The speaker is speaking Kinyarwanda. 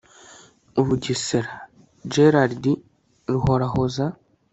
Ubugesera Gerardi Ruhorahoza